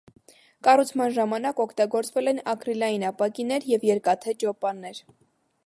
Կառուցման ժամանակ օգտագործվել են ակրիլային ապակիներ և երկաթե ճոպաններ։